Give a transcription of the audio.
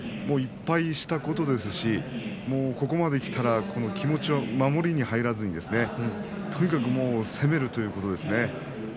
１敗したことですしここまできたら気持ちを守りに入らずにとにかく攻めるということですね。